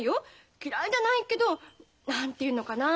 嫌いじゃないけど何て言うのかな